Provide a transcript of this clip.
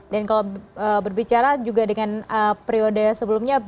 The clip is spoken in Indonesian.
dan kalau berbicara juga dengan priode sebelumnya